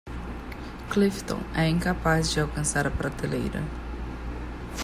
Clifton é incapaz de alcançar a prateleira.